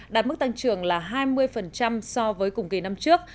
đạt mức tăng trưởng là hai mươi so với cùng kỳ năm trước